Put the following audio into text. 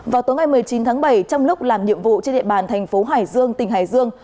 vào tối ngày một mươi chín tháng bảy trong lúc làm nhiệm vụ trên địa bàn thành phố hải dương tỉnh hải dương